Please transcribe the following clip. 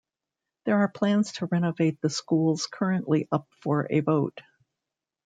There are plans to renovate the schools currently up for a vote.